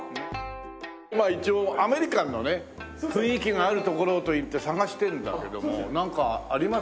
一応アメリカンのね雰囲気があるところといって探してるんだけどもなんかあります？